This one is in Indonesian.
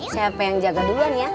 siapa yang jaga duluan ya